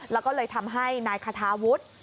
แล้วก็เลยทำให้นายคาทาวุฒิ